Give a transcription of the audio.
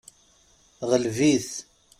Ɣleb-it!